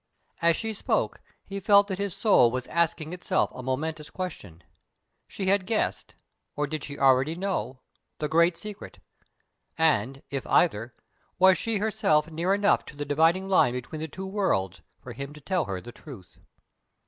As she spoke he felt that his soul was asking itself a momentous question. She had guessed or did she already know? the Great Secret. And, if either, was she herself near enough to the dividing line between the two worlds for him to tell her the truth?